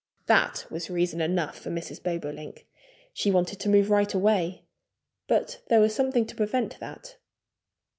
That was reason enough for Mrs. Bobolink. She wanted to move right away. But there was something to prevent that.